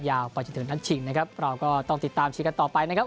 ไปจนถึงนัดชิงนะครับเราก็ต้องติดตามเชียร์กันต่อไปนะครับ